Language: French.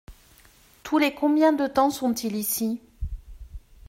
Tous les combien de temps sont-ils ici ?